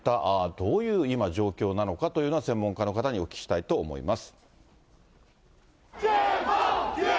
どういう今、状況なのか、専門家の方にお聞きしたいと思います。